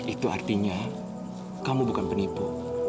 itu artinya kamu bukan penipu